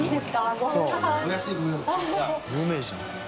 有名人だ。